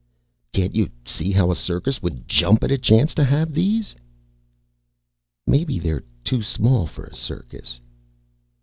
"Can't you see how a circus would jump at a chance to have these?" "Maybe they're too small for a circus."